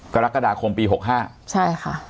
กรกฎาคมปี๖๕ใช่ค่ะ